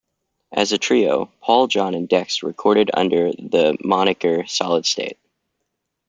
As a trio Paul, Jon and Dex recorded under the moniker Solid State.